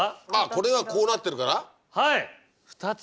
これがこうなってるから？